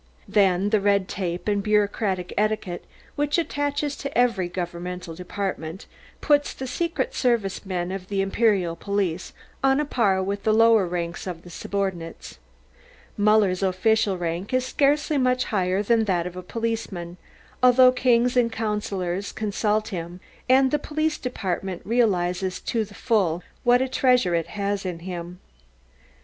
Then, the red tape and bureaucratic etiquette which attaches to every governmental department, puts the secret service men of the Imperial police on a par with the lower ranks of the subordinates. Muller's official rank is scarcely much higher than that of a policeman, although kings and councillors consult him and the Police Department realises to the full what a treasure it has in him.